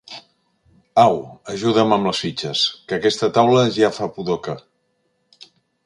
Au, ajuda'm amb les fitxes, que aquesta taula ja fa pudor que.